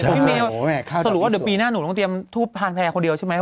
พี่เมย์โอ้โหแม่ข้าวต่อไปสุดสรุปว่าเดี๋ยวปีหน้าหนูต้องเตรียมทูปทางแทนคนเดียวใช่ไหม